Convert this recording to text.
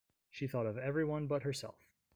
She thought of everyone but herself.